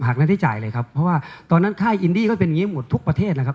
รายได้จ่ายเลยครับเพราะว่าตอนนั้นค่ายอินดี้ก็เป็นอย่างนี้หมดทุกประเทศแล้วครับ